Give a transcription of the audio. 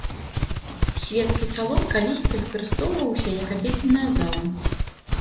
Свецкі салон калісьці выкарыстоўваўся як абедзенная зала.